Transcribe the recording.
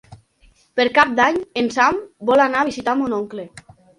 Per Cap d'Any en Sam vol anar a visitar mon oncle.